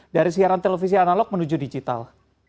dari siaran televisi analog menuju digital